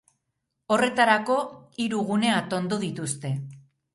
Horretarako, hiru gune atondu dituzte.